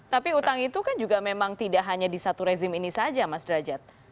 tapi utang itu kan juga memang tidak hanya di satu rezim ini saja mas derajat